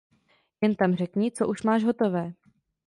Jen tam řekni, co už máš hotové.